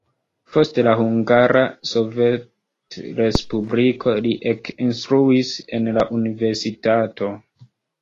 Post la Hungara Sovetrespubliko li ekinstruis en la universitato.